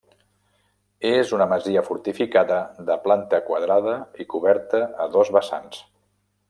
És una masia fortificada de planta quadrada i coberta a dos vessants.